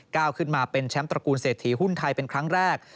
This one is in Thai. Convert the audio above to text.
ก้าวขึ้นมาเป็นแชมป์ตระกูลเศรษฐีหุ้นไทยเป็นครั้งแรก